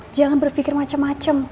jangan berpikir macem macem